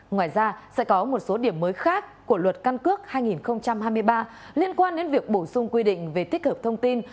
ngoài ra sẽ có một số điểm mới khác của luật căn cước hai nghìn hai mươi ba liên quan đến việc bổ sung quy định về tích hợp thông tin